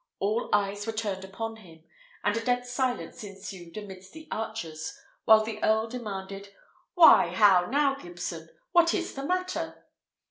All eyes were turned upon him, and a dead silence ensued amidst the archers, while the earl demanded, "Why! how now, Gibson? what is the matter?"